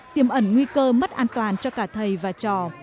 tiêm ẩn nguy cơ mất an toàn cho cả thầy và trò